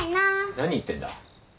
何言ってんだ。